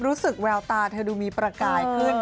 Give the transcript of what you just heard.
แววตาเธอดูมีประกายขึ้น